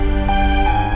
aku pengen hidup